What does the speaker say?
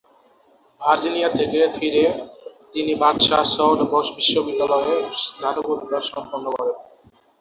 Virginia থেকে ফিরে তিনি বাদশা সৌদ বিশ্ববিদ্যালয়ে স্নাতকোত্তর সম্পন্ন করেন।